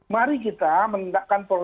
mari kita menegakkan